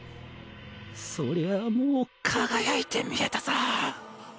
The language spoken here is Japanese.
そりゃあもう輝いて見えたさ。